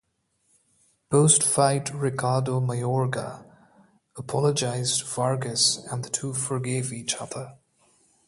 Post-fight Ricardo Mayorga apologized to Vargas and the two forgave each other.